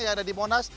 yang ada di monas